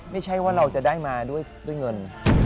ไม่ใช่ว่าเราจะได้มาด้วยเงิน